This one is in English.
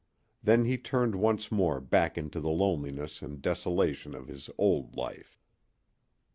Then he turned once more back into the loneliness and desolation of his old life.